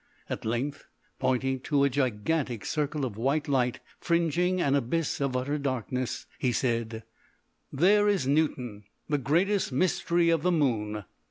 At length, pointing to a gigantic circle of white light fringing an abyss of utter darkness, he said: "There is Newton, the greatest mystery of the moon.